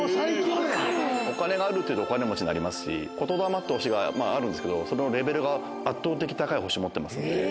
お金があるっていいますと、お金持ちになりますし、言霊ってあるんですけど、それのレベルが圧倒的に高い星になっています。